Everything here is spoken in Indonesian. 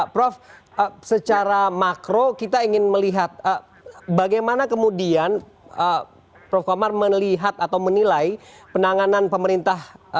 prof secara makro kita ingin melihat bagaimana kemudian prof komar melihat atau menilai penanganan pemerintah